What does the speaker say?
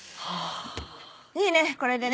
いいねこれでね。